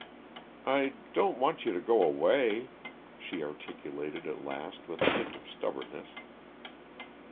"I don't want you to go a away," she articulated at last, with a hint of stubbornness.